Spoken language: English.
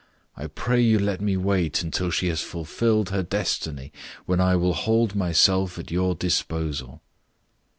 I pray you let me wait until she has fulfilled her destiny, when I will hold myself at your disposal."